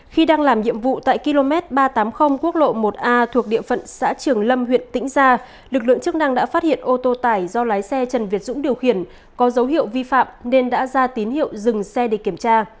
khi đang làm nhiệm vụ tại km ba trăm tám mươi quốc lộ một a thuộc địa phận xã trường lâm huyện tĩnh gia lực lượng chức năng đã phát hiện ô tô tải do lái xe trần việt dũng điều khiển có dấu hiệu vi phạm nên đã ra tín hiệu dừng xe để kiểm tra